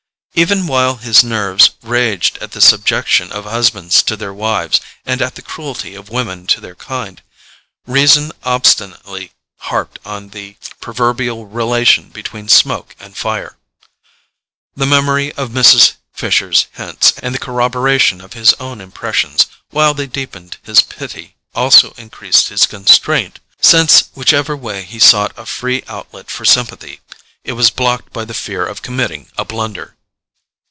Even while his nerves raged at the subjection of husbands to their wives, and at the cruelty of women to their kind, reason obstinately harped on the proverbial relation between smoke and fire. The memory of Mrs. Fisher's hints, and the corroboration of his own impressions, while they deepened his pity also increased his constraint, since, whichever way he sought a free outlet for sympathy, it was blocked by the fear of committing a blunder.